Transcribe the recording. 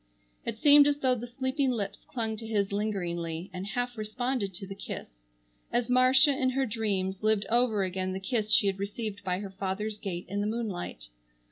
It seemed as though the sleeping lips clung to his lingeringly, and half responded to the kiss, as Marcia in her dreams lived over again the kiss she had received by her father's gate in the moonlight.